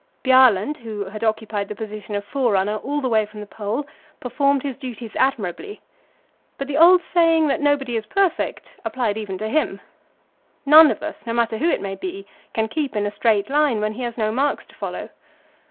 Bjaaland, who had occupied the position of forerunner all the way from the Pole, performed his duties admirably; but the old saying that nobody is perfect applied even to him. None of us no matter who it may be can keep in a straight line, when he has no marks to follow.